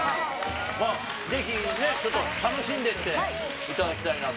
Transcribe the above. ぜひ、ちょっと楽しんでっていただきたいなと。